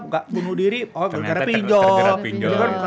gak bunuh diri oh kena pinjol